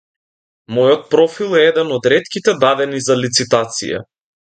Мојот профил е еден од ретките дадени за лицитација.